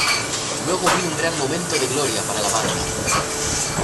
Luego vino un gran momento de gloria para la banda.